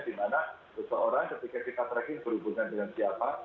dimana seseorang ketika kita tracking berhubungan dengan siapa